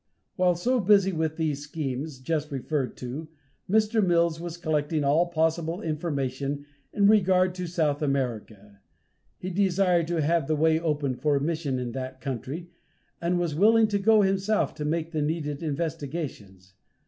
While so busy with these schemes just referred to, Mr. Mills was collecting all possible information in regard to South America. He desired to have the way opened for a mission in that country, and was willing to go himself to make the needed investigations.